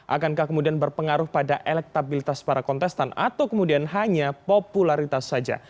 akankah kemudian berpengaruh pada elektabilitas para kontestan atau kemudian hanya popularitas saja